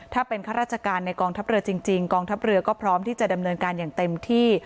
ถ้าเป็นข้าราชการในกองทัพเรือจริงกองทัพเรือก็พร้อมที่จะดำเนินการอย่างเต็มที่